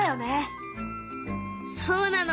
そうなの。